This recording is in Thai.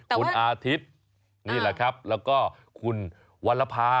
คุณอาทิตย์นี่แหละครับแล้วก็คุณวรภา